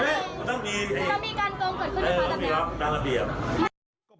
ต้องมีรับรับเดียว